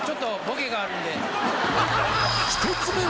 １つ目は